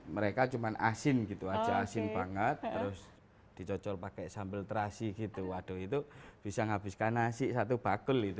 mereka cuma asin gitu aja asin banget terus dicocol pakai sambal terasi gitu waduh itu bisa menghabiskan nasi satu bakul gitu